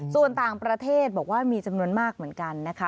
ส่วนต่างประเทศบอกว่ามีจำนวนมากเหมือนกันนะคะ